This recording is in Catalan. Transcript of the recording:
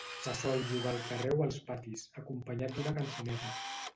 Se sol jugar al carrer o als patis, acompanyat d'una cançoneta.